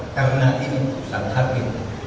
karena ini bukan hakim